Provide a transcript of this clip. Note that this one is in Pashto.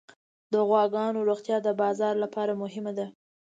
د غواګانو روغتیا د بازار لپاره مهمه ده.